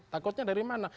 takutnya dari mana